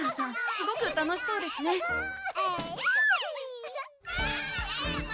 すごく楽しそうですねえるぅ！